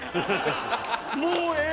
もうええ？